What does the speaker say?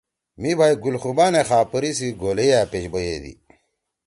”مھی بھئی گُل خوبانے خاپری سی گھولیئیا پیش بئیَدی۔